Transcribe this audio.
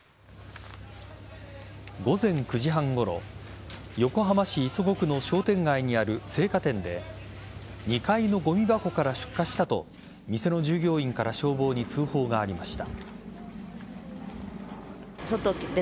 午前９時半ごろ横浜市磯子区の商店街にある青果店で２階のごみ箱から出火したと店の従業員から消防に通報がありました。